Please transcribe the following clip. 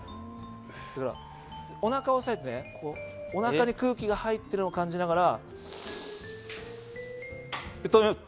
おなかを押さえておなかに空気が入っているのを感じながら。